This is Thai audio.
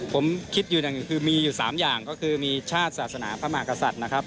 ผมคิดอยู่คือมีอยู่๓อย่างก็คือมีชาติศาสนาพระมหากษัตริย์นะครับ